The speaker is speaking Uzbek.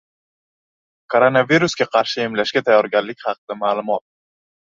Koronavirusga qarshi emlashga tayyorgarlik haqida ma’lumot